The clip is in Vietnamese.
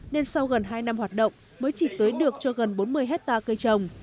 nên sau gần hai năm hoạt động mới chỉ tưới được cho gần bốn mươi hectare cây trồng